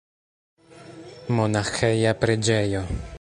Monaĥeja preĝejo.